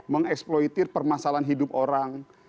mengeksploitir permasalahan hidup orang